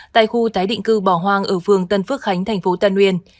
tại khu tái định cư bỏ hoang ở phương tân phước khánh thành phố tân nguyên